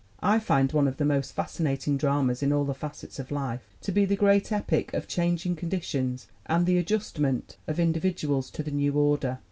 "I find one of the most fascinating dramas in all the facets of life to be the great epic of changing con ditions and the adjustment of individuals to the new order.